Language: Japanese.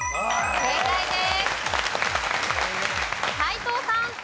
正解です。